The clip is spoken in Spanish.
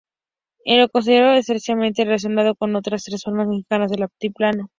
Él lo consideró estrechamente relacionado con otras tres formas mexicanas del altiplano.